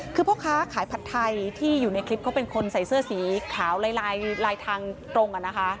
คือพ่อค้าขายผัดไทยที่อยู่ในคลิปเขาเป็นคนใส่เสื้อสีขาวลายทางตรง